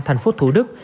thành phố thủ đức